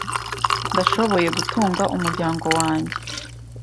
Ndashoboye gutunga umuryango wanjye .